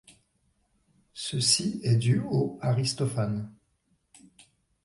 Ceci est du haut Aristophane.